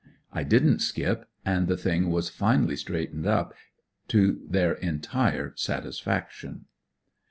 I didn't skip; and the thing was finally straightened up to their entire satisfaction.